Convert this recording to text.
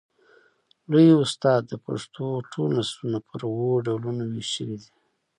لوى استاد د پښتو ټول نثرونه پر اوو ډولونو وېشلي دي.